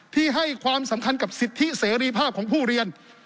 ให้ความสำคัญกับสิทธิเสรีภาพของผู้เรียน